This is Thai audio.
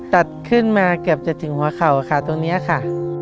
ตัดขึ้นมาเกือบจะถึงหัวเข่าค่ะตรงนี้ค่ะ